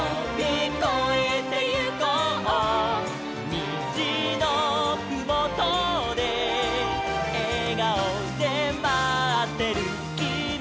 「にじのふもとでえがおでまってるきみがいる」